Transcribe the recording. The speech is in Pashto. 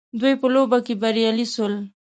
دوی په لوبه کي بريالي سول